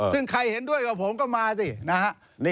ซึ่งใครเห็นด้วยกับผมก็มาสินะฮะ